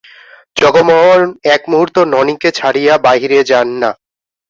জগমোহন এক মুহূর্ত ননিকে ছাড়িয়া বাহিরে যান না।